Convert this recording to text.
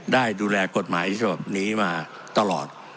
ได้ดูแลกฎหมายฉบับนี้มาตลอด